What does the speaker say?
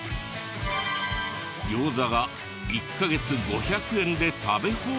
ギョウザが１カ月５００円で食べ放題。